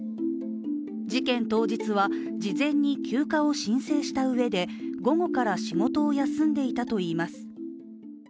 事件当日は、事前に休暇を申請したうえで午後から仕事を休んでいたといいます。